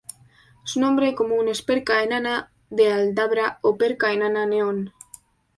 Su nombre común es perca enana de Aldabra o perca enana neón.